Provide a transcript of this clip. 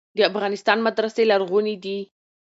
د افغانستان مدرسې لرغونې دي.